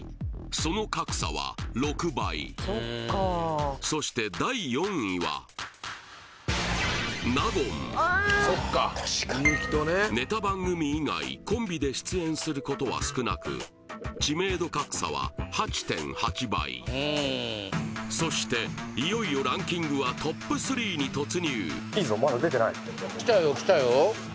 その格差は６倍そして第４位はネタ番組以外コンビで出演することは少なく知名度格差は８．８倍そしていよいよランキングはトップ３に突入きたよきたよ